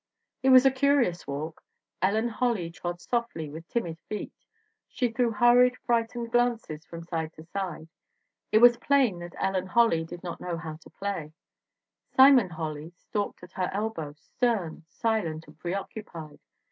"It was a curious walk. Ellen Holly trod softly with timid feet. She threw hurried, frightened glances from side to side. It was plain that Ellen Holly did not know how to play. Simon Holly stalked at her elbow, stern, silent and preoccupied.